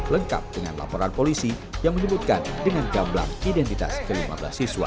lengkap dengan laporan polisi yang menyebutkan dengan gambar identitas kelima belas siswa